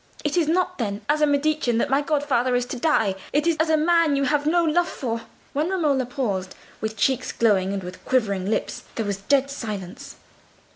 It is not, then, as a Medicean that my godfather is to die; it is as a man you have no love for!" When Romola paused, with cheeks glowing, and with quivering lips, there was dead silence.